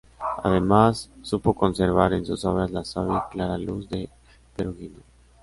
Además, supo conservar en sus obras la suave y clara luz de Perugino.